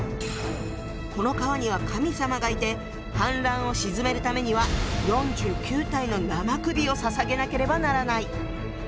この川には神様がいて氾濫を鎮めるためには４９体の生首を捧げなければならない。